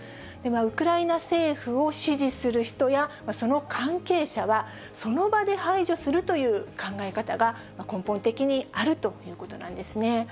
ウクライナ政府を支持する人や、その関係者は、その場で排除するという考え方が根本的にあるということなんですね。